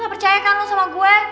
gak percaya kan lu sama gue